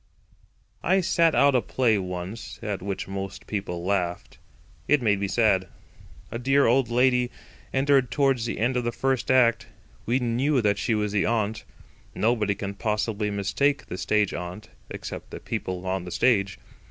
I sat out a play once at which most people laughed. It made me sad. A dear old lady entered towards the end of the first act. We knew she was the aunt. Nobody can possibly mistake the stage aunt—except the people on the stage.